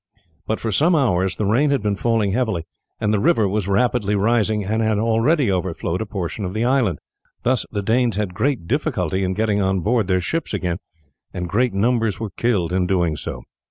But for some hours the rain had been falling heavily and the river was rapidly rising and had already overflowed a portion of the island. Thus the Danes had great difficulty in getting on board their ships again, and great numbers were killed in doing so.